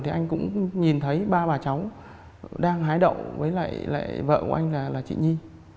thì anh cũng nhìn thấy ba bà cháu đang hái đậu với lại vợ của anh là chị nhi